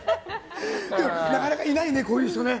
なかなかいないよねこういう人。